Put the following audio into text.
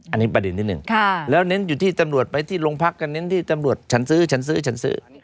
อันนี้ประเด็นที่หนึ่งแล้วเน้นอยู่ที่ตำรวจไปที่โรงพักก็เน้นที่ตำรวจฉันซื้อฉันซื้อฉันซื้อ